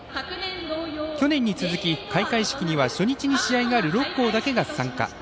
去年に続き、開会式には初日に試合がある６校だけが参加。